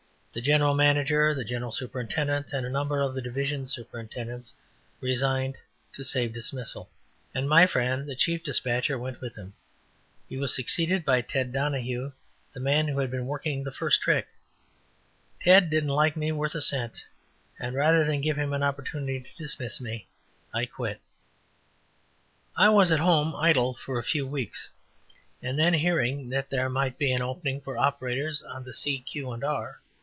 The general manager, the general superintendent, and a number of the division superintendents resigned to save dismissal, and my friend the chief despatcher went with them. He was succeeded by Ted Donahue, the man who had been working the first trick. Ted didn't like me worth a cent, and, rather than give him an opportunity to dismiss me, I quit. I was at home idle for a few weeks, and then hearing that there might be an opening for operators on the C. Q. & R.